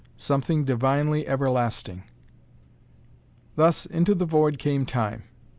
Something Divinely Everlasting. Thus, into the void came Time.